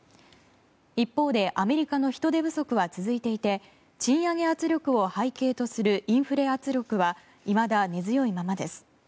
一方でアメリカの人手不足は続いていて賃上げ圧力を背景とするインフレ圧力はいまだ根強いままです。